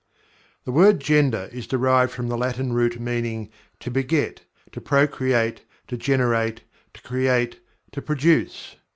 The word "Gender" is derived from the Latin root meaning "to beget; to procreate; to generate; to create; to produce."